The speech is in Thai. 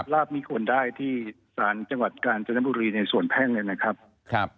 ลาบไม่ควรได้ที่สารจังหวัดกาญจนบุรีในส่วนแพ่งเลยนะครับ